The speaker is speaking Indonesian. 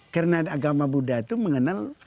karena agama buddha itu mengenal bangunan buddha